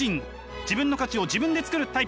自分の価値を自分で作るタイプ。